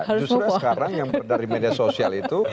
justru sekarang yang dari media sosial itu